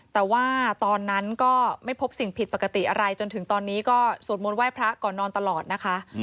แต่ว่าตอนนั้นก็ไม่พบสิ่งผิดปกติอะไรจนถึงตอนนี้ก็สวดมนต์ไห้พระก่อนนอนตลอดนะคะ